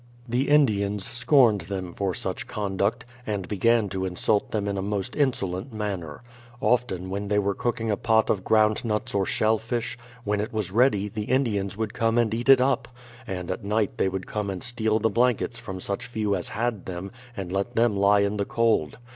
The Indians scorned them for such conduct, and began to insult them in a most insolent manner. Often, while they 111 112 BRADFORD'S HISTORY OP were cooking a pot of ground nuts or shell fish, when It was ready, the Indians would come and eat it up; and at night they would come and steal the blankets from such few as had them, and let them lie in the cold.